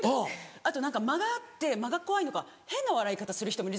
あと何か間があって間が怖いのか変な笑い方する人もいる。